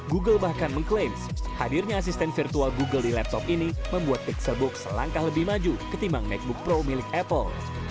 google bahkan mengklaim hadirnya asisten virtual google di laptop ini membuat pixelbook selangkah lebih maju ketimbang macbook pro milik apple